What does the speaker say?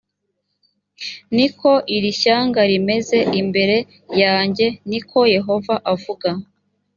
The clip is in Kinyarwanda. ni ko iri shyanga rimeze imbere yanjye ni ko yehova avuga